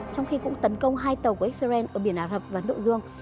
trong khi cũng tấn công hai tàu của israel ở biển ả rập và nội dương